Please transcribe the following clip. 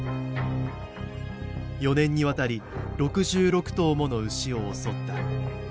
４年にわたり６６頭もの牛を襲った。